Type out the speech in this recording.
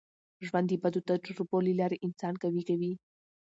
ژوند د بدو تجربو له لاري انسان قوي کوي.